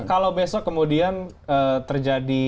kalau besok kemudian terjadi